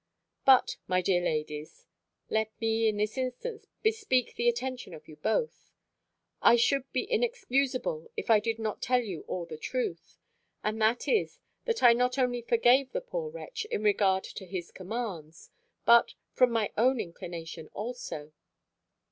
But, my dear ladies (let me, in this instance, bespeak the attention of you both), I should be inexcusable, if I did not tell you all the truth; and that is, that I not only forgave the poor wretch, in regard to his commands, but from my own inclination also.